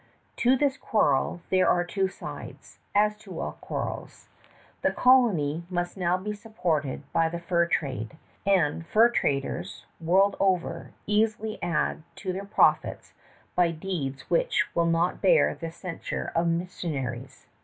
To this quarrel there are two sides, as to all quarrels. The colony must now be supported by the fur trade; and fur traders, world over, easily add to their profits by deeds which will not bear the censure of missionaries.